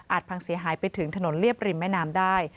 พังเสียหายไปถึงถนนเรียบริมแม่น้ำได้